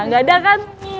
gak ada kan